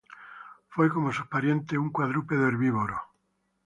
Fue, como sus parientes, un cuadrúpedo herbívoro.